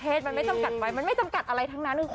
คือเชื่อเรานะว่าความรักมันไม่จำกัดเพศไว้ทั้งอาลาค